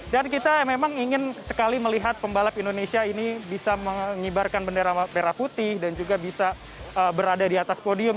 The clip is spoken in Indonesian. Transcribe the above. dan kita memang ingin sekali melihat pembalap indonesia ini bisa mengibarkan bendera putih dan juga bisa berada di atas podium